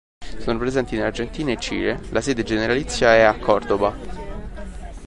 Sono presenti in Argentina e Cile: la sede generalizia è a Córdoba.